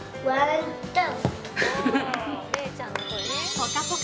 「ぽかぽか」